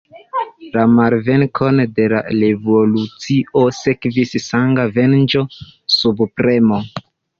La malvenkon de la revolucio sekvis sanga venĝo, subpremo.